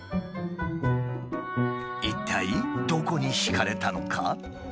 一体どこに惹かれたのか？